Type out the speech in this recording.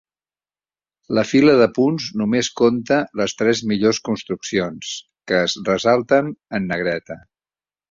La fila de punts només compta les tres millors construccions, que es ressalten en negreta.